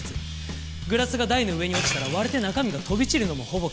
グラスが台の上に落ちたら割れて中身が飛び散るのもほぼ確実。